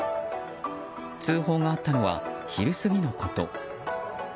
通報があったのは昼過ぎのこと。